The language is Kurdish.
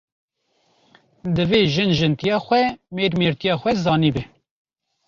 Divê jin jintiya xwe, mêr mêrtiya xwe zanî be